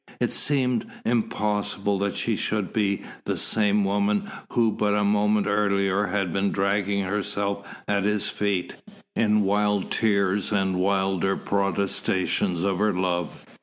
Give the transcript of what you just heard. It seemed impossible that she should be the same woman who but a moment earlier had been dragging herself at his feet, in wild tears and wilder protestations of her love.